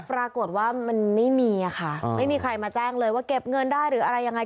ปรากฏว่ามันไม่มีค่ะไม่มีใครมาแจ้งเลยว่าเก็บเงินได้หรืออะไรยังไง